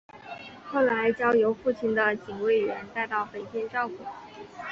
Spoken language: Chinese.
后来交由父亲的警卫员带到北京照顾。